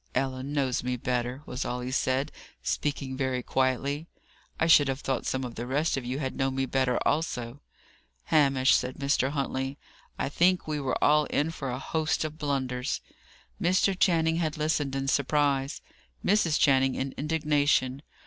"Ellen knows me better," was all he said, speaking very quietly. "I should have thought some of the rest of you had known me better, also." "Hamish," said Mr. Huntley, "I think we were all in for a host of blunders." Mr. Channing had listened in surprise, Mrs. Channing in indignation.